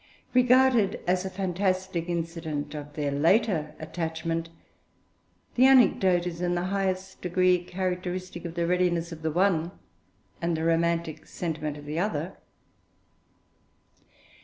Regarded as a fantastic incident of their later attachment, the anecdote is in the highest degree characteristic of the readiness of the one and the romantic sentiment of the other.